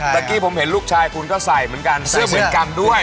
เมื่อกี้ผมเห็นลูกชายคุณก็ใส่เหมือนกันใส่เหมือนกันด้วย